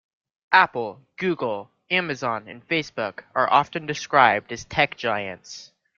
Apple, Google, Amazon and Facebook are often described as tech giants.